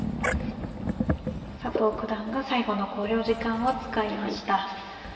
佐藤九段が最後の考慮時間を使いました。